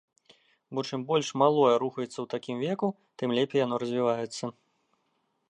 Бо чым больш малое рухаецца ў такім веку, тым лепей яно развіваецца.